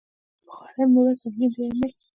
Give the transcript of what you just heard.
په غاړه يې مه وړه سنګين دی امېل.